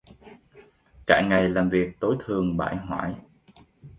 Cả ngày làm việc tối thường bải hoải